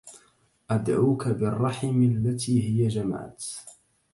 أدعوك بالرحم التي هي جمعت